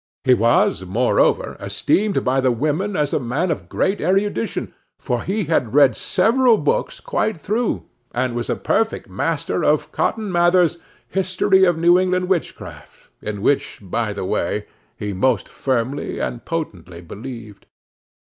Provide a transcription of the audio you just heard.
He was, moreover, esteemed by the women as a man of great erudition, for he had read several books quite through, and was a perfect master of Cotton Mather's "History of New England Witchcraft," in which, by the way, he most firmly and potently believed.